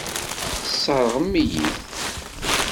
Tesseṛɣem-iyi-t.